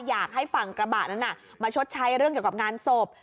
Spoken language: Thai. อยากให้ฝั่งกระบะนั้นมาชดใช้เรื่องเกี่ยวกับงานศพ